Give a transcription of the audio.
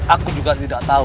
aku juga tidak tahu